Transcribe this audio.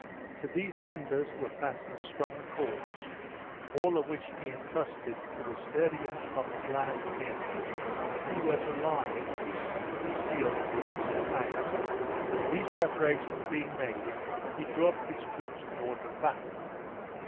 To these timbers were fastened strong cords, all of which he intrusted to the sturdiest of his Lanark men, who were to lie concealed amongst the flags. These preparations being made, he drew up his troops in order of battle.